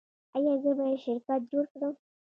ایا زه باید شرکت جوړ کړم؟